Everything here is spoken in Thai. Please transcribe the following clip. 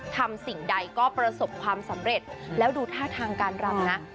สิ่งใดก็ประสบความสำเร็จแล้วดูท่าทางการรำนะ